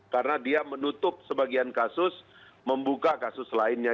karena dia menutup sebagian kasus membuka kasus lainnya